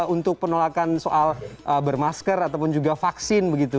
untuk penolakan soal bermasker ataupun juga vaksin begitu